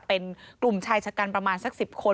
เป็นกลุ่มชายชะกันประมาณสัก๑๐คน